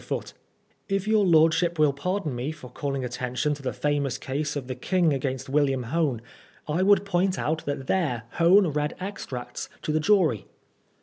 Foote : If your lordship will pardon me for calling attention to the famous case of the King against William Hone, I would point out that there Hone read extracts to the jury.